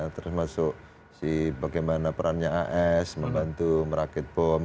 terus masuk bagaimana perannya as membantu merakit bom